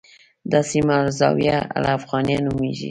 دا سیمه الزاویة الافغانیه نومېږي.